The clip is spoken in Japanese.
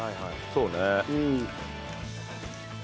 そうね。